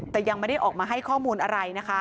แต่ยังไม่ได้ออกมาให้ข้อมูลอะไรนะคะ